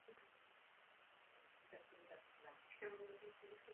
Po dvou letech byl přeložen na úřednické místo ve velkém sekretariátu.